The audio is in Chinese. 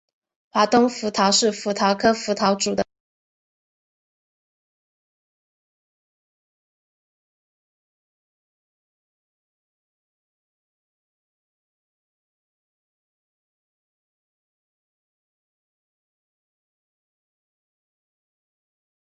加入新公司理响音乐。